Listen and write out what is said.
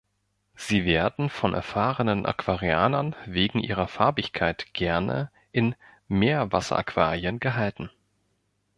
Sie werden von erfahrenen Aquarianern wegen ihrer Farbigkeit gerne in Meerwasseraquarien gehalten.